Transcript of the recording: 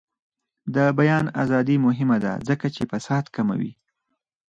د بیان ازادي مهمه ده ځکه چې فساد کموي.